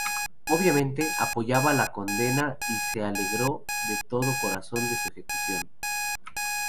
Obviamente, apoyaba la condena y se alegró de todo corazón de su ejecución.